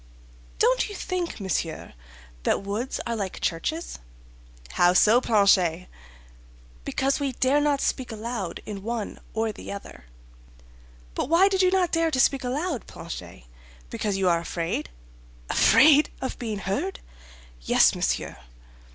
"Don't you think, monsieur, that woods are like churches?" "How so, Planchet?" "Because we dare not speak aloud in one or the other." "But why did you not dare to speak aloud, Planchet—because you are afraid?" "Afraid of being heard? Yes, monsieur."